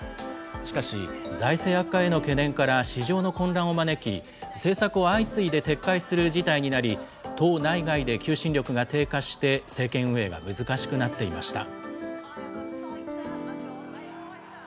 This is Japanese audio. しかし、財政悪化への懸念から市場の混乱を招き、政策を相次いで撤回する事態になり、党内外で求心力が低下して、政権運営が難しくなっていました。